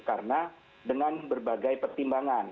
karena dengan berbagai pertimbangan